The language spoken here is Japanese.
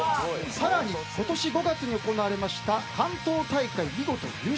さらに今年５月に行われました関東大会見事優勝。